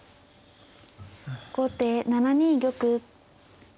後手７二玉。